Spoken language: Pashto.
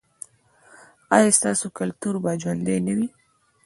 ایا ستاسو کلتور به ژوندی نه وي؟